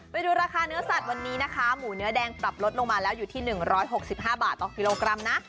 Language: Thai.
ไปดูราคาเนื้อสัตว์วันนี้นะคะหมูเนื้อแดงปรับลดลงมาแล้วอยู่ที่๑๖๕บาทต่อกิโลกรัมนะ